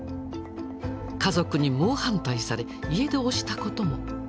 家族に猛反対され家出をしたことも。